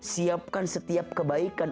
siapkan setiap kebaikan